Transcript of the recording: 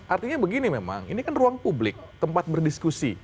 artinya begini memang ini kan ruang publik tempat berdiskusi